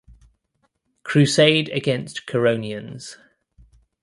Crusade against Curonians.